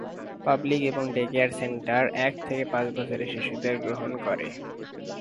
Public এবং day care centre এক থেকে পাঁচ বছরের শিশুদের গ্রহণ করে।